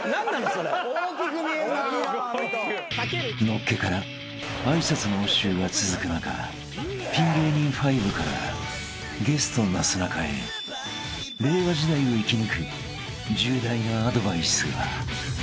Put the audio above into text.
［のっけから挨拶の応酬が続く中ピン芸人ファイブからゲストなすなかへ令和時代を生き抜く重大なアドバイスが］